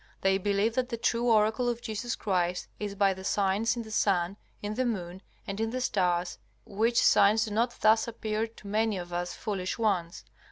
They believe that the true oracle of Jesus Christ is by the signs in the sun, in the moon, and in the stars, which signs do not thus appear to many of us foolish ones.